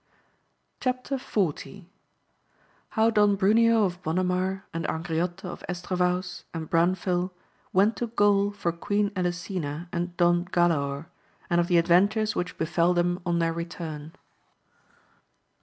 Chap. XL. — How Don Bruneo of Bonamar and Angriote of Estravaus and Branfil went to Q aul for Queen Elisena and Don Gtilaor, and of the adventures which befeU them on their return.